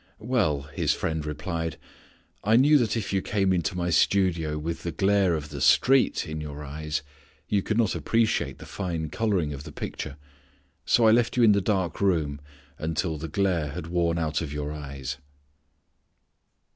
"Well," his friend replied, "I knew that if you came into my studio with the glare of the street in your eyes you could not appreciate the fine colouring of the picture. So I left you in the dark room till the glare had worn out of your eyes."